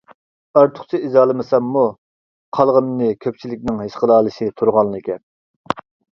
ئارتۇقچە ئىزاھلىمىساممۇ قالغىنىنى كۆپچىلىكنىڭ ھېس قىلالىشى تۇرغانلا گەپ.